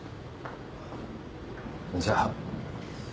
じゃあ。